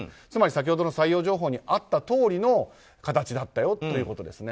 つまり先ほどの採用情報にあったとおりの形だったよと。